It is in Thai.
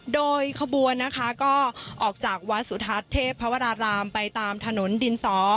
โดยขบวนนะคะก็ออกจากวัดสุทัศน์เทพวรารามไปตามถนนดินสอ